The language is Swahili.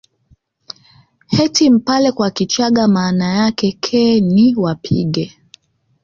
Eti mpare kwa Kichaga maana yake ke ni wapige